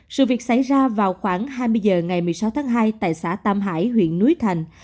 sự việc xảy ra vào khoảng hai mươi h ngày một mươi sáu tháng hai tại xã tam hải huyện núi thành